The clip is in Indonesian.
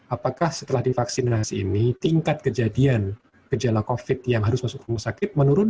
apakah setelah divaksinasi ini tingkat kejadian gejala covid yang harus masuk rumah sakit menurun